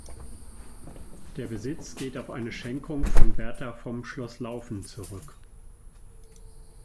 Der Besitz geht auf eine Schenkung von Berta vom Schloss Laufen zurück.